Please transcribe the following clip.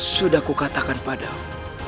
sudah kukatakan padamu